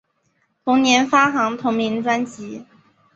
同年发行同名专辑。